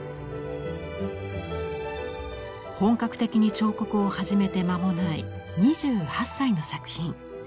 本格的に彫刻を始めて間もない２８歳の作品。